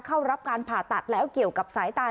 เข้ารับการผ่าตัดแล้วเกี่ยวกับสายตา